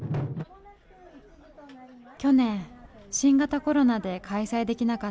去年新型コロナで開催できなかった男鹿フェス。